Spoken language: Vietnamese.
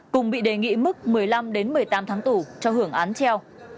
cùng bị đề nghị mức một mươi năm một mươi tám tháng tù cho hưởng án treo